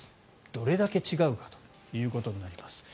どれだけ違うかということになります。